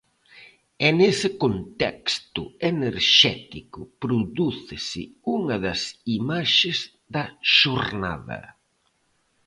E nese contexto enerxético prodúcese unha das imaxes da xornada.